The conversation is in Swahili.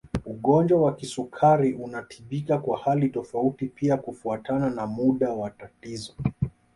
Ugonjwa wa kisukari unatibika kwa hali tofauti pia kufuatana na muda wa tatizo